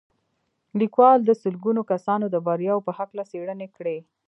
ليکوال د سلګونه کسانو د برياوو په هکله څېړنې کړې.